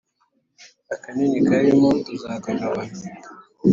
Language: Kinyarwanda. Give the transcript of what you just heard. Akanini karimo tuzakagabura